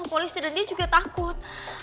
polisi dan dia juga takut